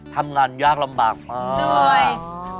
ทำงานยากลำบากไป